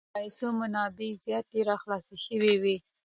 د پیسو منابع زیات را خلاص شوي وې.